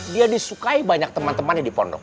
dia disukai banyak teman temannya di pondok